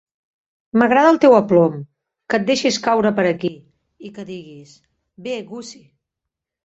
M"agrada el teu aplom, que et deixis caure per aquí i que diguis "Bé, Gussie".